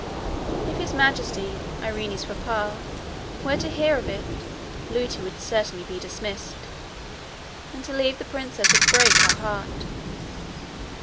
If His Majesty, Irene's papa, were to hear of it, Lootie would certainly be dismissed; and to leave the princess would break her heart.